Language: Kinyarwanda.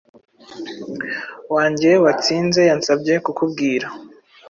wanjye watsinze yansabye kukubwira